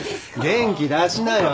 元気出しなよ。